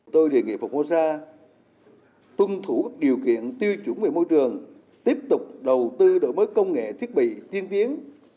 tôi đề nghị formosa tuân thủ các điều kiện tiêu chuẩn về môi trường tiếp tục đầu tư đổi mới công nghệ thiết bị tiên tiến